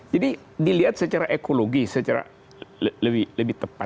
jadi dilihat secara ekologis secara lebih tepat